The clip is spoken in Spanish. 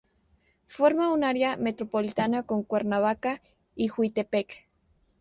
Forma un área metropolitana con Cuernavaca y Jiutepec.